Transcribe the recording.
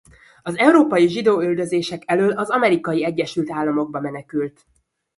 Az európai zsidóüldözések elől az Amerikai Egyesült Államokba menekült.